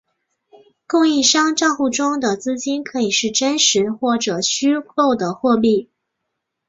供应商帐户中的资金可以是真实或者虚构的货币。